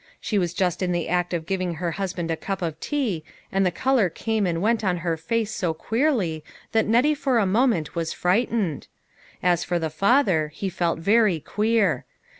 She was just in the act of giving her husband a cup of tea, and the color came and went on her face so queerly that Nettie for a moment was fright ened. As for the father, he felt very queer.